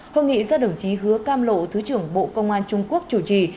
hội nghị do đồng chí hứa cam lộ thứ trưởng bộ công an trung quốc chủ trì